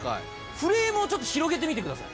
フレームをちょっと広げてみてください。